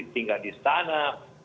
tinggal di sana